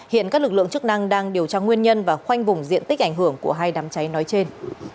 hiện các lực lượng chức năng đang điều tra nguyên nhân và khoanh vùng diện tích ảnh hưởng của hai đám cháy nói trên